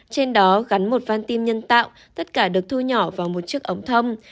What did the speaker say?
trên đó gắn một văn tim nhân tạo tất cả được thu nhỏ vào một chiếc ống thông